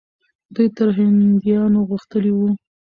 دوی تر هندیانو غښتلي وو.